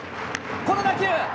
この打球。